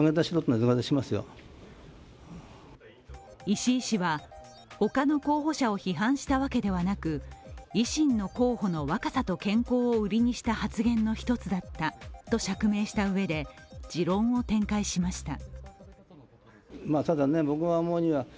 石井氏は他の候補者を批判したわけではなく、維新の候補の若さと健康を売りにした発言の一つだったと釈明したうえで、持論を展開しました。